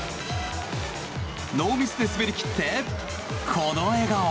ノーミスで滑り切ってこの笑顔。